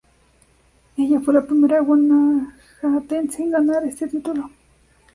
Ella fue la primera Guanajuatense en ganar este título.